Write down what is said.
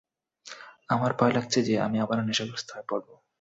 আমার ভয় লাগছে যে আমি আবারও নেশাগ্রস্ত হয়ে পড়বো?